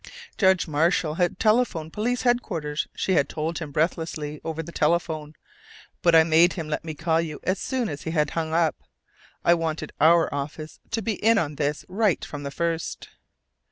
"Judge Marshall has telephoned Police Headquarters," she had told him breathlessly over the telephone, "but I made him let me call you as soon as he had hung up. I wanted our office to be in on this right from the first."